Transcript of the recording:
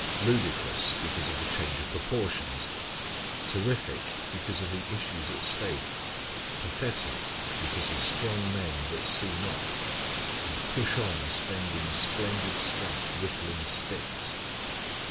Ludicrous, because of the change of proportions; terrific, because of the issues at stake; pathetic, because of strong men that see not, and push on spending splendid strength whittling sticks.